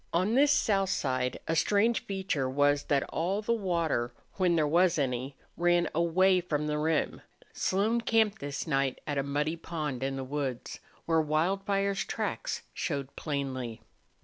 On this south side a strange feature was that all the water, when there was any, ran away from the rim. Slone camped this night at a muddy pond in the woods, where Wildfire's tracks showed plainly.